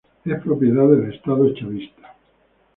Es propiedad del Estado chavista.